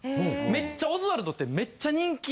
めっちゃオズワルドってめっちゃ人気。